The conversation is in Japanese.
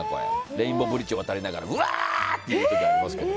レインボーブリッジ渡りながらうわー！って言いますけど。